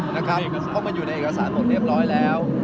เพราะมันอยู่ในเอกสารหมดเรียบร้อยแล้ว